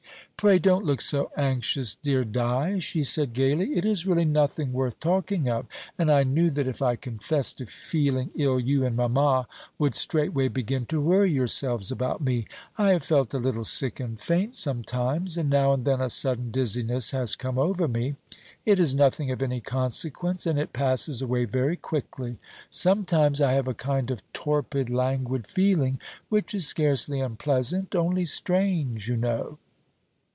"Pray don't look so anxious, dear Di," she said gaily; "it is really nothing worth talking of; and I knew that if I confessed to feeling ill you and mamma would straightway begin to worry yourselves about me. I have felt a little sick and faint sometimes; and now and then a sudden dizziness has come over me. It is nothing of any consequence, and it passes away very quickly. Sometimes I have a kind of torpid languid feeling, which is scarcely unpleasant, only strange, you know.